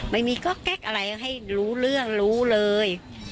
ไม่มีก๊อกแก๊กอะไรให้รู้เรื่องรู้เลย